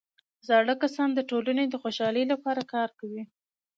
زاړه کسان د ټولنې د خوشحالۍ لپاره کار کوي